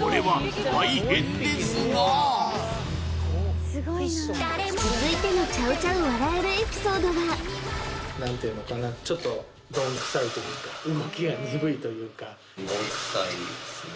これは大変ですな続いてのチャウ・チャウ笑えるエピソードは何ていうのかなちょっとどんくさいというか動きが鈍いというかどんくさいっすね